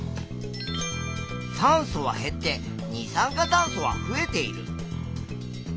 酸素は減って二酸化炭素は増えている。